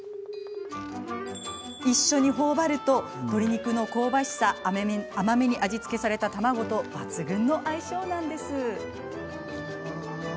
一緒にほおばると鶏肉の香ばしさ甘めに味付けされた卵と抜群の相性なんです。